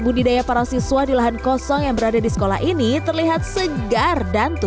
budidaya para siswa di lahan kosong yang berada di sekolah ini terlihat segar dan